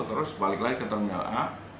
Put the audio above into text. terus balik lagi ke terminal a